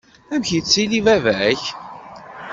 Amek yettili baba-k?